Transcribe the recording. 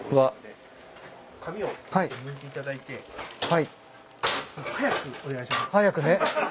はい。早くね。